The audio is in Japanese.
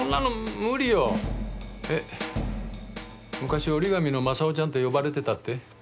昔折り紙の正雄ちゃんって呼ばれてたって？